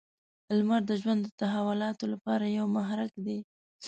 • لمر د ژوند د تحولاتو لپاره یو محرک دی.